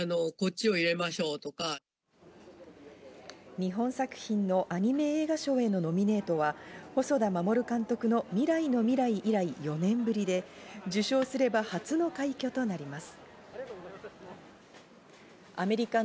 日本作品のアニメ映画賞へのノミネートは細田守監督の『未来のミライ』以来４年ぶりで、受賞すれば初の快挙となります。